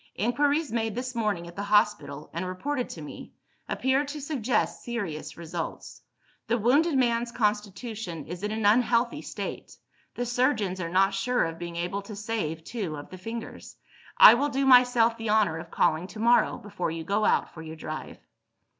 Inquiries made this morning at the hospital, and reported to me, appear to suggest serious results. The wounded man's constitution is in an unhealthy state; the surgeons are not sure of being able to save two of the fingers. I will do myself the honour of calling to morrow before you go out for your drive."